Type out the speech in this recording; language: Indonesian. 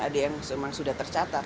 ada yang memang sudah tercatat